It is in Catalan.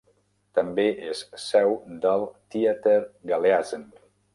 També és seu del Teater Galeasen.